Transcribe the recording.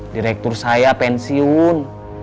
direktur saya pensiun